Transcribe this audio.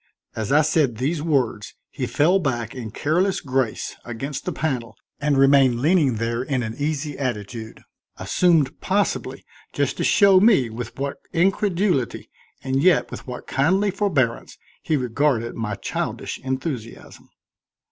As I said these words he fell back in careless grace against the panel and remained leaning there in an easy attitude, assumed possibly just to show me with what incredulity, and yet with what kindly forbearance he regarded my childish enthusiasm.